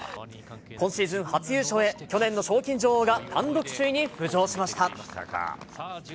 今シーズン初優勝へ、去年の賞金女王が単独首位に浮上しました。